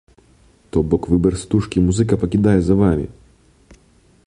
То бок выбар стужкі музыка пакідае за вамі!